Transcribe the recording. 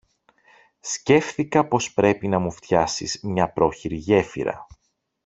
Σκέφθηκα πως πρέπει να μου φτιάσεις μια πρόχειρη γέφυρα.